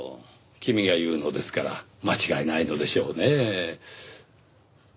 君が言うのですから間違いないのでしょうねぇ。